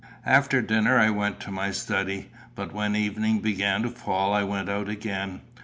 After dinner I went to my study, but when evening began to fall I went out again.